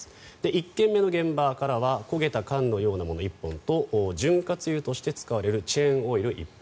１件目の現場からは焦げた缶のようなもの１本と潤滑油として使われるチェーンオイル１本。